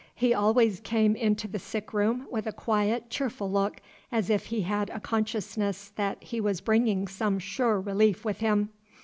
He always came into the sick room with a quiet, cheerful look, as if he had a consciousness that he was bringing some sure relief with him.